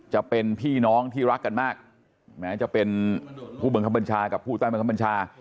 จะเป็นพี่น้องที่รักกันมากแม้จะเป็นผู้บังคับบัญชากับผู้ใต้บังคับบัญชา